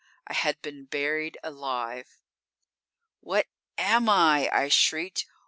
I had been buried alive! _"What am I?" I shrieked.